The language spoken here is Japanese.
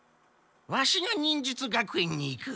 ワシが忍術学園に行く。